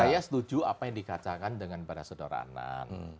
saya setuju apa yang dikacaukan dengan para saudara anand